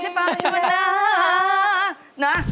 ฉันเปล่าชัวร์นะ